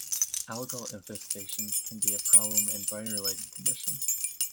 Algal infestation can be a problem in brighter lighting condition.